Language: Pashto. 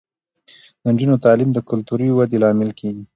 د نجونو تعلیم د کلتوري ودې لامل کیږي.